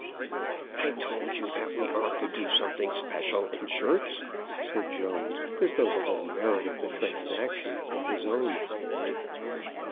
"I told you that we ought to do something special in shirts," said Jones, as though the whole merit of the transaction were his own.